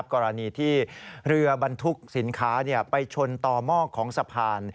กรณีที่เรือบรรทุกสินค้าไปชนต่อหม้อของสะพาน